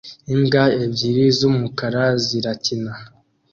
imbwa ebyiri z'umukara zirakina